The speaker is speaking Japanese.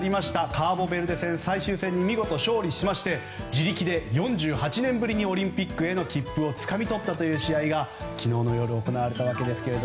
カーボベルデ戦、最終戦に見事勝利して４８年ぶりに自力でオリンピックへの切符をつかみ取ったという試合が昨日夜、行われました。